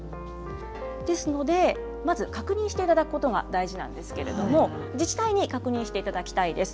ですので、まず確認していただくことが大事なんですけれども、自治体に確認していただきたいです。